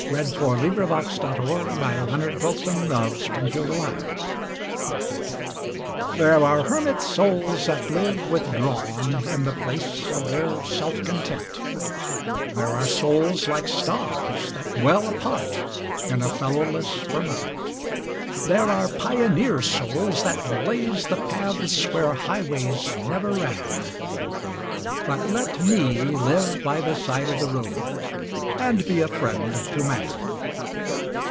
Q R . S T . U V . W X . Y Z The House by the Side of the Road THERE are hermit souls that live withdrawn In the place of their self content; There are souls like stars, that dwell apart, In a fellowless firmament; There are pioneer souls that blaze the paths Where highways never ran But let me live by the side of the road And be a friend to man.